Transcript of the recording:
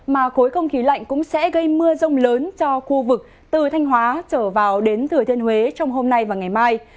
mà khối không khí lạnh cũng sẽ gây mưa rông lớn cho khu vực từ thanh hóa trở vào đến thừa thiên huế trong hôm nay và ngày mai